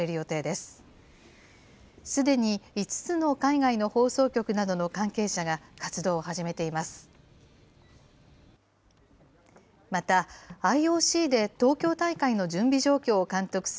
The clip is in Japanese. すでに５つの海外の放送局などの関係者が活動を始めています。